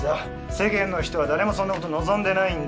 世間の人は誰もそんなこと望んでないんだ！